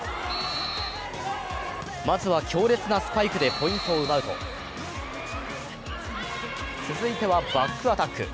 まずは強烈なスパイクでポイントを奪うと続いては、バックアタック。